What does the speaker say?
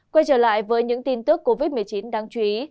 quay trở lại với những tin tức covid một mươi chín đáng chú ý